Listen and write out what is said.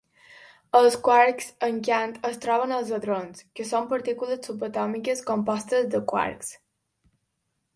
Els quarks encant es troben als hadrons, que són partícules subatòmiques compostes de quarks.